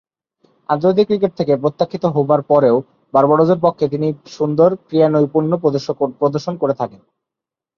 আন্তর্জাতিক ক্রিকেট থেকে প্রত্যাখ্যাত হবার পরও বার্বাডোসের পক্ষে বেশ সুন্দর ক্রীড়ানৈপুণ্য প্রদর্শন করতে থাকেন।